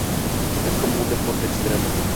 Es como un deporte extremo".